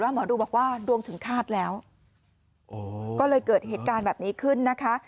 หมอดูบอกว่าดวงถึงฆาตแล้วก็เลยเกิดเหตุการณ์แบบนี้ขึ้นนะคะ